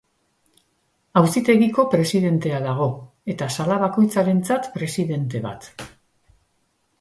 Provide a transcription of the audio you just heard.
Auzitegiko Presidentea dago, eta sala bakoitzarentzat Presidente bat.